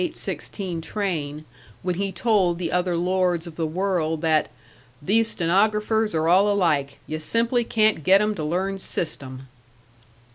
16 train, when he told the other lords of the world that "these stenographers are all alike you simply can't get 'em to learn system."